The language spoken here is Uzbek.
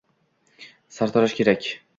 Sartarosh kerak